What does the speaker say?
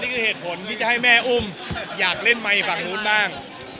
อ๋อนี่คือเหตุผลที่จะให้แม่อุ้มอยากเล่นไม่ฝั่งนู้นบ้าง